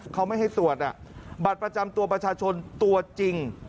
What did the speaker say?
เขาไม่ให้ตรวจบัตรประจำตัวประชาชนตัวจริง